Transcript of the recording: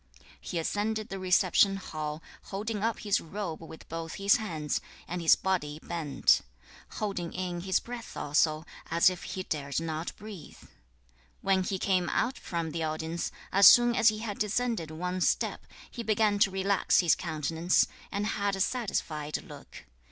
4. He ascended the reception hall, holding up his robe with both his hands, and his body bent; holding in his breath also, as if he dared not breathe. 5. When he came out from the audience, as soon as he had descended one step, he began to relax his countenance, and had a satisfied look.